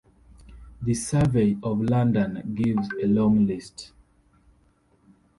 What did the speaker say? The Survey of London gives a long list.